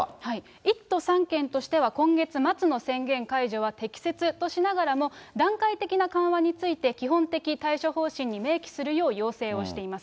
１都３県としては、今月末の宣言解除は適切としながらも段階的な緩和について基本的対処方針に明記するよう要請をしております。